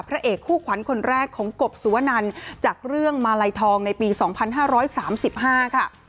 พระเอกคู่ขวัญคนแรกของกบสุวนันจากเรื่องมาลัยทองในปี๒๕๓๕ค่ะ